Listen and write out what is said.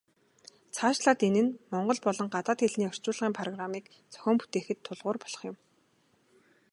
Цаашлаад энэ нь монгол болон гадаад хэлний орчуулгын программыг зохион бүтээхэд тулгуур болох юм.